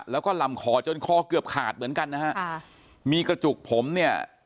แล้วก็ลำคอจนคอเกือบขาดเหมือนกันนะฮะค่ะมีกระจุกผมเนี่ย